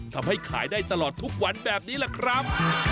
ทำให้ขายได้ตลอดทุกวันแบบนี้แหละครับ